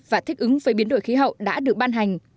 và thích ứng với biến đổi khí hậu đã được ban hành